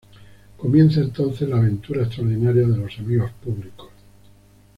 Comienza entonces la aventura extraordinaria de los Amigos Públicos.